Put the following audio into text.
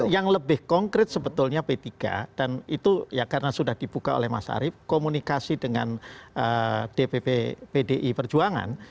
yang lebih konkret sebetulnya p tiga dan itu ya karena sudah dibuka oleh mas arief komunikasi dengan dpp pdi perjuangan